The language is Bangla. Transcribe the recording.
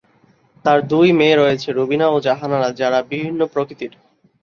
তার দুই মেয়ে আছে- রুবিনা ও জাহানারা যারা বিভিন্ন প্রকৃতির।